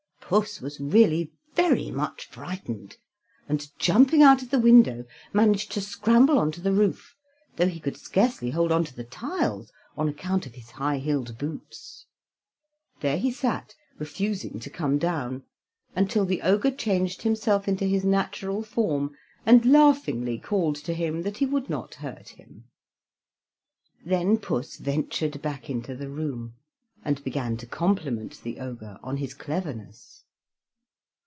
Puss was really very much frightened, and, jumping out of the window, managed to scramble on to the roof, though he could scarcely hold on to the tiles on account of his high heeled boots. There he sat, refusing to come down, until the Ogre changed himself into his natural form, and laughingly called to him that he would not hurt him. Then Puss ventured back into the room, and began to compliment the Ogre on his cleverness.